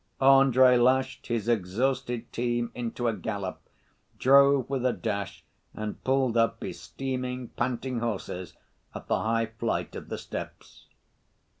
Andrey lashed his exhausted team into a gallop, drove with a dash and pulled up his steaming, panting horses at the high flight of steps.